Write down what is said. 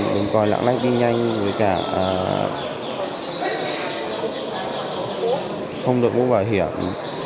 đừng còi lặng lách đi nhanh với cả không được bố bảo hiểm